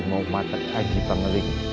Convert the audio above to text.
mau matak haji pangeling